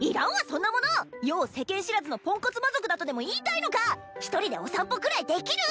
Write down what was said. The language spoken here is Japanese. そんなもの余を世間知らずのポンコツ魔族だとでも言いたいのか１人でお散歩くらいできる！